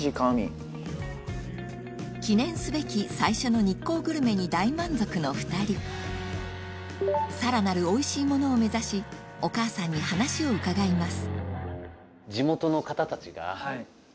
記念すべき最初の日光グルメに大満足の２人さらなるおいしいものを目指しお母さんに話を伺います